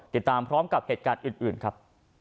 ติดตามพร้อมกับเหตุการณ์อื่นครับ